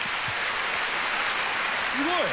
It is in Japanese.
すごい！